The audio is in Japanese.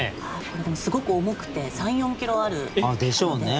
これでもすごく重くて３４キロある。でしょうね。